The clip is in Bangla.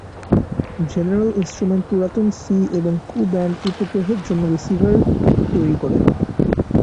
জেনারেল ইন্সট্রুমেন্ট পুরাতন সি এবং কু ব্যান্ড উপগ্রহের জন্য রিসিভার তৈরি করে।